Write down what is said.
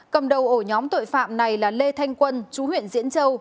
cầm đầu ổ nhóm tội phạm này là lê thanh quân chú huyện diễn châu